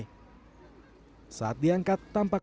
saat diangkat tampak pesawat yang terlalu berat